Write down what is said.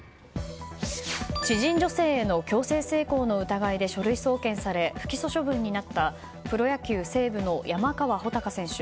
知人女性への強制性交の疑いで書類送検され不起訴処分になったプロ野球、西武の山川穂高選手。